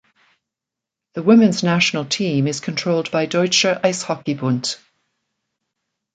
The women's national team is controlled by Deutscher Eishockey-Bund.